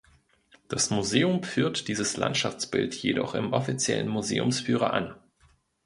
Das Museum führt dieses Landschaftsbild jedoch im offiziellen Museumsführer an.